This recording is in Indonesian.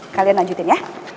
kalian lanjutin ya